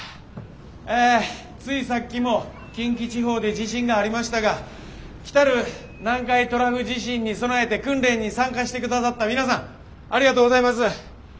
えついさっきも近畿地方で地震がありましたが来る南海トラフ地震に備えて訓練に参加してくださった皆さんありがとうございます。